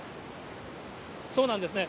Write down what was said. そうなんですね。